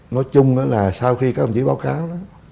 nói chung là sau khi các ông chỉ báo cáo đó